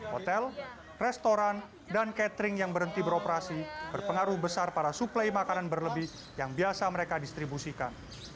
hotel restoran dan catering yang berhenti beroperasi berpengaruh besar pada suplai makanan berlebih yang biasa mereka distribusikan